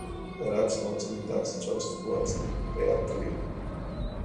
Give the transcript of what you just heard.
Perhaps nothing-that's just what they're doing.